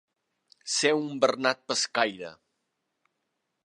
Ser un bernat pescaire.